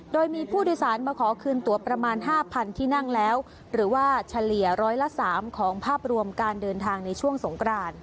โดยมีผู้โดยสารมาขอคืนตัวประมาณ๕๐๐ที่นั่งแล้วหรือว่าเฉลี่ยร้อยละ๓ของภาพรวมการเดินทางในช่วงสงกราน